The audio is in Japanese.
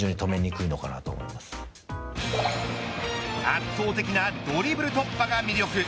圧倒的なドリブル突破が魅力。